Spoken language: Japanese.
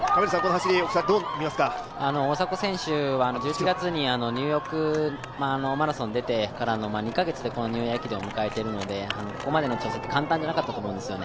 大迫選手は１１月にニューヨークマラソン出てからの２か月でこのニューイヤー駅伝を迎えているので、ここまでの調整は簡単じゃなかったと思うんですね。